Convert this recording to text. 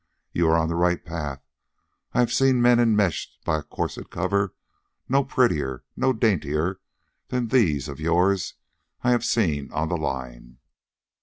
You are on the right path. I have seen men enmeshed by a corset cover no prettier, no daintier, than these of yours I have seen on the line.